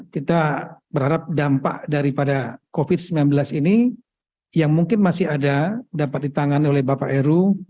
kita berharap dampak daripada covid sembilan belas ini yang mungkin masih ada dapat ditangani oleh bapak heru